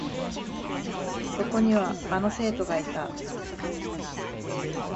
そこには、あの生徒がいた。